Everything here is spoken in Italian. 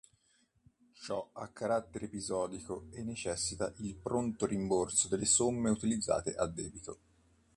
Ciò ha carattere episodico e necessita il pronto rimborso delle somme utilizzate a debito.